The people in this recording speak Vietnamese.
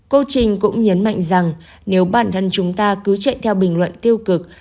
cô trình cũng nhấn mạnh rằng nếu bản thân chúng ta cứ chạy theo bình luận tiêu cực